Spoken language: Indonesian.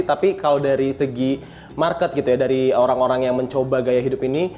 tapi kalau dari segi market gitu ya dari orang orang yang mencoba gaya hidup ini